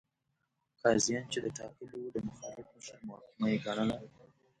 قاضیان چې ده ټاکلي وو، د مخالف مشر محاکمه یې ګڼله.